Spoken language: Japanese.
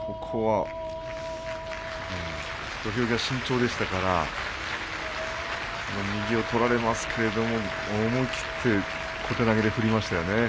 土俵際、慎重でしたから右を取られますけれど思い切って小手投げで振りましたよね。